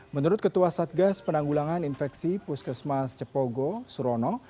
menurut ketua satgas penanggulangan infeksi puskesmas cepogo surono